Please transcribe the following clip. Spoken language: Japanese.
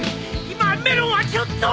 今メロンはちょっと。